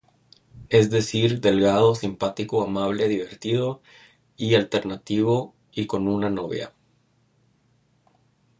Es decir, delgado, simpático, amable, divertido y alternativo y con una novia.